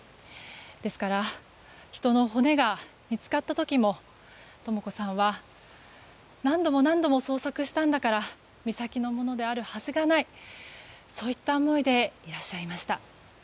ですから人の骨が見つかった時もとも子さんは何度も何度も捜索したんだから美咲のものであるはずがないそういった思いでいらっしゃいました。